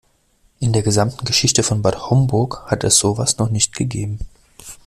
In der gesamten Geschichte von Bad Homburg hat es sowas noch nicht gegeben.